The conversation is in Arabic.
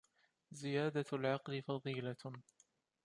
زِيَادَةُ الْعَقْلِ فَضِيلَةٌ